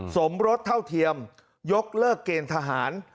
สมรสเท่าเทียมยกเลิกเกณฑ์ทหาร